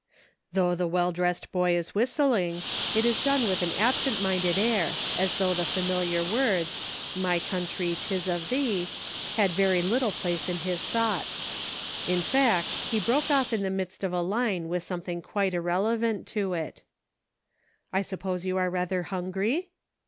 Though the well dressed young man is whistling, it is done with an absent minded air, as though the familiar words, " My country, 'tis of thee," had very little place in his thoughts ; in fact, he broke off in the midst of a line with something quite irrelevant to it :" I suppose you are rather hungry